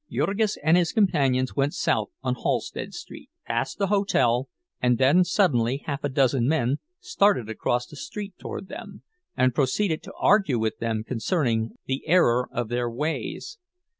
Jurgis and his companions went south on Halsted Street; past the hotel, and then suddenly half a dozen men started across the street toward them and proceeded to argue with them concerning the error of their ways.